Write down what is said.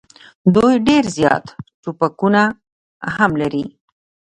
دوی ډېر زیات توپکونه هم لري.